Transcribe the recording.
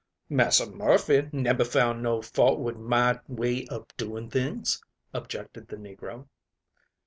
"Massa Murphy nebber found no fault wid my way ob doing things," objected the negro.